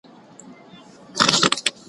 هغه زر زر جملې خو پاته سوې.